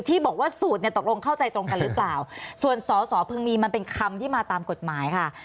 ที่บอกว่าสูตรเนี่ยตกลงเข้าใจตรงกันหรือเปล่าส่วนสอสอพึงมีมันเป็นคำที่มาตามกฎหมายค่ะ